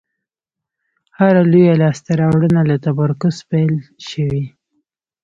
هره لویه لاستهراوړنه له تمرکز پیل شوې.